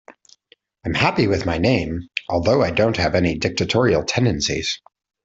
I am happy with my name, although I don't have any dictatorial tendencies.